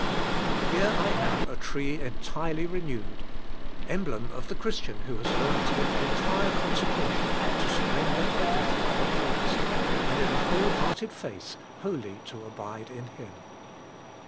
Here I have a tree entirely renewed, — emblem of the Christian who has learnt in entire consecration to surrender everything for Christ, and in a whole hearted faith wholly to abide in Him.